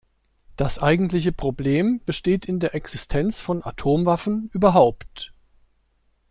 Das eigentliche Problem besteht in der Existenz von Atomwaffen überhaupt.